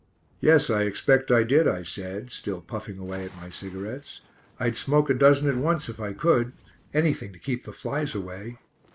"Yes, I expect I did," I said, still puffing away at my cigarettes. "I'd smoke a dozen at once if I could. Anything to keep the flies away."